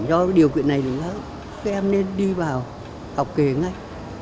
do điều kiện này thì các em nên đi vào học nghề ngay